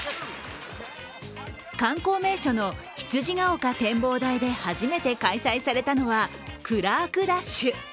観光名所の羊ヶ丘展望台で初めて開催されたのはクラークダッシュ。